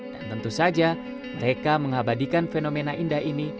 dan tentu saja mereka mengabadikan fenomena indah ini